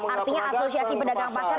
artinya asosiasi pedagang pasar